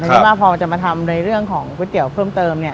คิดว่าพอจะมาทำในเรื่องของก๋วยเตี๋ยวเพิ่มเติมเนี่ย